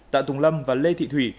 tạ tùng lâm và lê thị thủy